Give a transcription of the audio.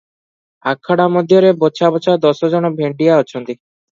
ଆଖଡା ମଧ୍ୟରେ ବଛା ବଛା ଦଶଜଣ ଭେଣ୍ଡିଆ ଅଛନ୍ତି ।